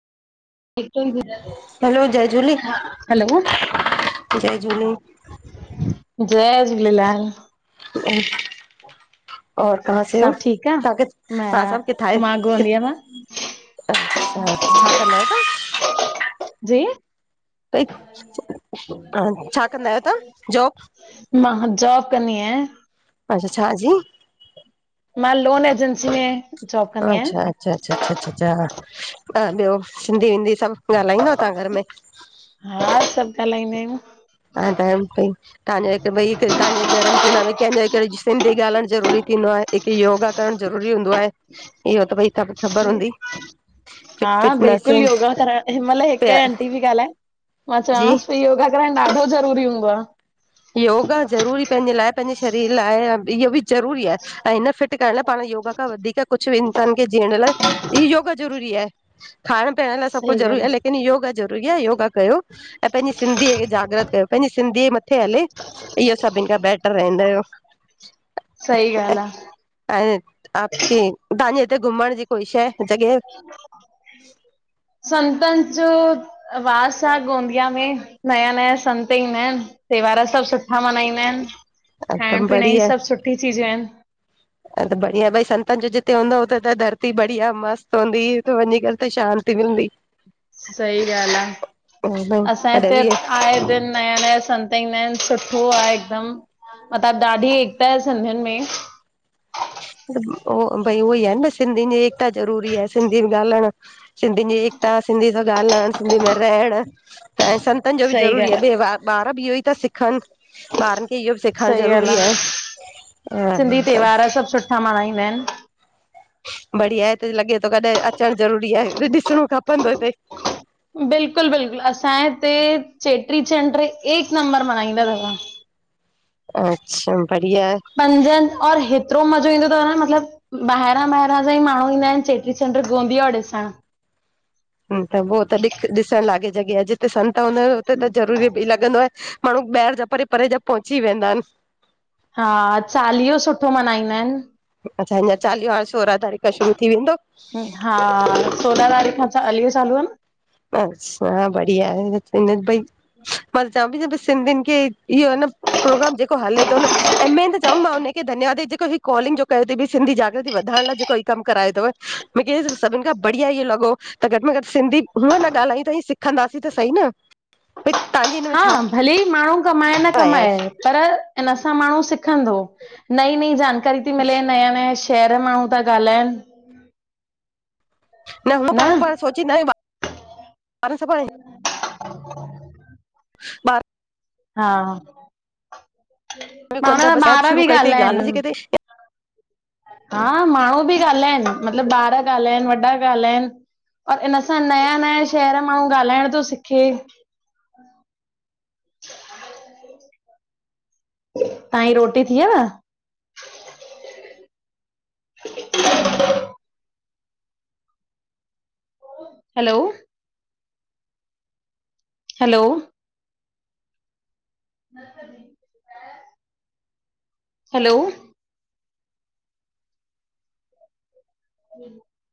Hello! Hello जय झूले, जय झूले जय झूलेलाल ह [inaudible] और कंहां से हो, सभु ठीकु आ? तंहां किथ, तव्हां सभु किथां मैं आयो? मां गोंदिया मां अच्छा। छा कंदा आहियो तां? जी! छा कंदा आहियो तहां जॉब? मां जॉब कंदी आयां। अच्छा, छाजी? मां लोन एजेंसी में जॉब कंदी अच्छा आहियां अच्छा अच्छा अचछ अछा, ॿियो सिंधी विंधी सभु ॻाल्हाईंदव तव्हां घर में? हा सब ॻाल्हाईंदा आहियूं। ह ता पई [unintelligible] तव्हांजो भई तव्हांजे घर में थी करे सिंधी ॻाल्हाइणु ज़रूरी थींदो आहे। हिकु योगा करणु ज़रूरी हूंदो आहे, इहो त भई सब ख़बर हूंदी। फिट हा फिटनेस बिल्कुलु योगा कर, हिन मइल हिक पिया आंटी पई ॻाल्हाए मां जी चवांसि पई योगा कराइणु ॾाढो ज़रूरी हूंदो आ। योगा ज़रूरी पंहिंजे लाए, पंहिंजे शरीर लाए इहो बि ज़रूरी आहे ऐं हिन फिट करण लाइ पाण योगा खां वधीक कुछ बि इंसान खे जीअण लाए ई योगा ज़रूरी आहे, खाइण पीअण लाए, सभु सही कुछु ज़रूरी ॻाल्हि आहे आ लेकिन योगा ज़रूरी आहे योगा कयो। ऐं पंहिंजी सिंधीअ खे जागृत कयो, पंहिंजी सिंधी हले इहो सभिनि खां बैटर रहं हिन यो। सही ॻाल्हि आ ऐं आपके- तव्हां हिते घुमण जी कोई शै- जॻह? संतन जो वास आ गोंदिया में, नया नया संत ईंदा आहिन। त्योहार सब सुठा मल्हाईंदा आहिन, खाइण हिकदमि पीअण ई सब सुठी चीजूं आहिन। ह त बढ़िया, भई संतनि जो जिते हूंदो हुते त धरती बढ़िया मस्त हूंदी, हुते वञी करे शांति मिलंदी। सही ॻाल्हि आ, असां कॾहिं हिते बि आए दिन नया नया संत ईंदा आहिन, सुठो आहे हिकदमि मतिलबु ॾाढी एकता आए सिंधियुनि में। उहो भई उ ई आहे न सिंधी जी एकता ज़रूरी आहे, सिंधी ॻाल्हणु सिंधियुनि जी एकता सिंधी सां ॻाल्हाइण सिंधी में रहण त सत संतनि जो बि सही ज़रूरी ॻाल्हि आ, भई ॿार बि इहो ई था सिखन। ॿारनि खे इहो बि सिखारणु सही ॻाल्हि ज़रूरी आ, आहे। छा माण्हाईंदा आहिन? बढ़िया आहे हिते लॻे थो कॾहिं अचणु ज़रूरी आहे, ॾिसणो खपंदो हिते। बिल्कुलु बिल्कुलु, असांजे हिते चेटीचंड एक नंबर मल्हाईंदा अथव। अच्छा बढ़िया पंजनि और हेतिरो मज़ो ईंदो तव न मतलबु ॿाहिरां ॿाहिरां जा ई माण्हूं ईंदा आहिनि चेटीचंड गोंदिया ॾिसणु त पो तॾी, ॾिसण लागे जॻह जिते संत हूंदा हुते, त ज़रूरी बि लॻंदो आ। माण्हूं ॿाहिरि जा परे, परे जा पहुची वेंदा हिनि हा, चालीहो सुठो मनाईंदा हिनि अच्छा, अञां चालीहो हाणे सोरहां तारीख़ शुरू थी वेंदो। हा सोलहां तारीख़ खां चालीयो चालू आ, न अच्छा, बढ़िया हे, हिनन पई मां त चवयां पई न भई, सिंधियुनि खे इयो हे न प्रोग्राम, जेको हले तो न ऐम ए त चओम मां हुनन खे धन्यवाद जेको ही कॉलिंग, जो कयो तई भई, सिंधी जागृति वधायणु लाइ जेको ही कमु करायो तव। मूंखे सभिनि खा बढ़िया इहो लॻो, त घटि में घटि सिंधी हूअं न ॻाल्हादाई तई सिखंदासीं त सही न भई तव्हांजी हिन में छा हा, भले माण्हूं कमाए न राय आहे कमाए पर इन सां माण्हूं सिखंदो, नईं नईं जानकारी थी मिले नया नया हेयर माण्हूं था ॻाल्हाइनि न हूअं पाण, पाण सोचींदा आहियूं पाण [inaudible] ॿारु हा, ॿारनि कोन पाण था त बसि एप ॿारु शुरू बि कई अथई ॻाल्हि जी ॻाल्हाइनि कई अथई हा माण्हूं बि ॻाल्हाइनि, मतलबु ॿारु ॻाल्हाइनि, वॾा ॻाल्हाइनि और इन सां नया नया शहर माण्हूं ॻाल्हाइण थो, सिखे तांई रोटी थियव हलो हलो न कजे हलो [inaudible] [unintelligible]